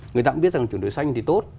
người ta cũng biết rằng chuyển đổi xanh thì tốt